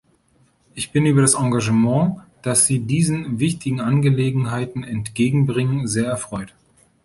Ich bin über das Engagement, das Sie diesen wichtigen Angelegenheiten entgegenbringen, sehr erfreut.